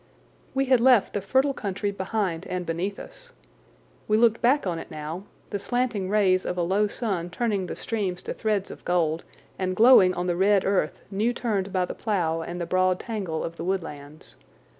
We had left the fertile country behind and beneath us. We looked back on it now, the slanting rays of a low sun turning the streams to threads of gold and glowing on the red earth new turned by the plough and the broad tangle of the woodlands.